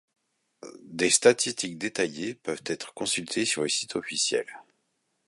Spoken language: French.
Des statistiques détaillées peuvent être consultées sur le site officiel.